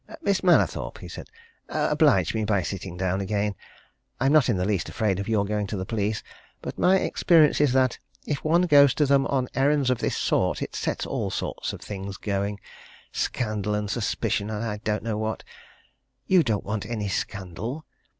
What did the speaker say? "Miss Mallathorpe," he said. "Oblige me by sitting down again. I'm not in the least afraid of your going to the police. But my experience is that if one goes to them on errands of this sort, it sets all sorts of things going scandal, and suspicion, and I don't know what! You don't want any scandal.